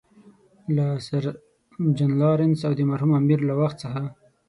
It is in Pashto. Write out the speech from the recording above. له سر جان لارنس او د مرحوم امیر له وخت څخه.